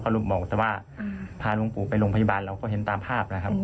ลุงบอกแต่ว่าพาหลวงปู่ไปโรงพยาบาลเราก็เห็นตามภาพนะครับ